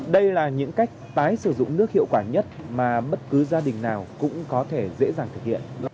đây là những cách tái sử dụng nước hiệu quả nhất mà bất cứ gia đình nào cũng có thể dễ dàng thực hiện